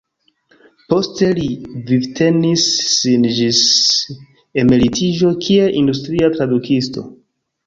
Poste li vivtenis sin ĝis emeritiĝo kiel industria tradukisto.